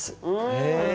へえ。